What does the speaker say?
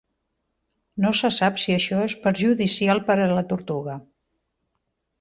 No se sap si això és perjudicial per a la tortuga.